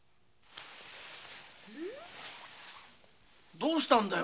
どうしたんだよ？